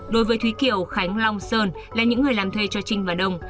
đối với thúy kiều khánh long sơn là những người làm thây cho trinh và đông